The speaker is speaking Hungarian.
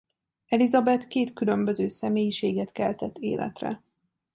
Elizabeth két különböző személyiséget keltett életre.